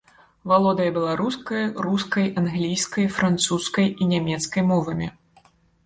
Валодае беларускай, рускай, англійскай, французскай і нямецкай мовамі.